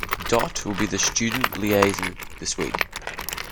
Dot will be the student liaison this week.